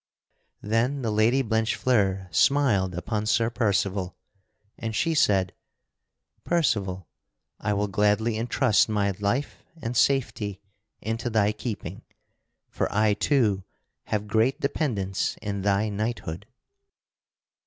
Then the Lady Blanchefleur smiled upon Sir Percival and she said: "Percival, I will gladly entrust my life and safety into thy keeping, for I too have great dependence in thy knighthood."